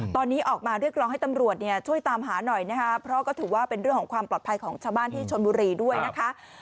ตอนนี้ออกมาเรียกร้องให้ตำรวจเนี่ยช่วยตามหาหน่อยนะคะเพราะก็ถือว่าเป็นเรื่องของความปลอดภัยของชาวบ้านที่ชนบุรีด้วยนะคะ